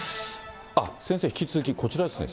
先生、引き続きこちらですね。